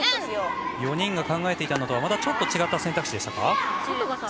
４人が考えていたのとはまたちょっと違った選択肢か。